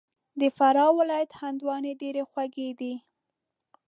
د فراه ولایت هندواڼې ډېري خوږي دي